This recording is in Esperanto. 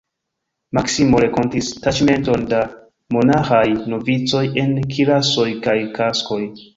Maksimo renkontis taĉmenton da monaĥaj novicoj en kirasoj kaj kaskoj.